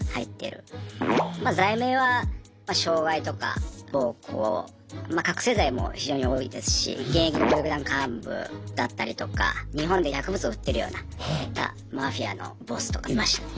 ま罪名は傷害とか暴行ま覚醒剤も非常に多いですし現役の暴力団幹部だったりとか日本で薬物を売ってるようなそういったマフィアのボスとかいましたね。